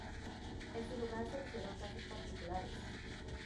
En su lugar se erigieron casas particulares.